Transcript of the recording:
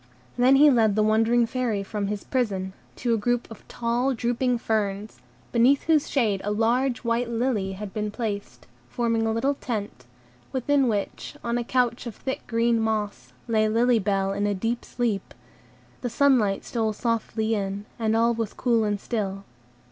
Then he led the wondering Fairy from his prison, to a group of tall, drooping ferns, beneath whose shade a large white lily had been placed, forming a little tent, within which, on a couch of thick green moss, lay Lily Bell in a deep sleep; the sunlight stole softly in, and all was cool and still.